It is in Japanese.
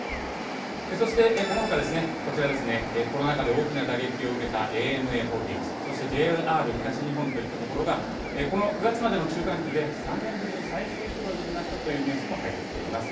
そしてこのほかこちらですね、コロナ禍で大きな打撃を受けたＡＮＡホールディングス、そしてＪＲ東日本といったところが、この９月までの中間期で３年ぶりに最終黒字になったというニュースも入っています。